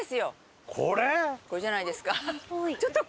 これじゃないですか？